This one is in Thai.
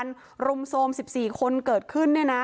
ปืนมันลั่นไปใส่แฟนสาวเขาก็ยังยันกับเราเหมือนเดิมแบบนี้นะคะ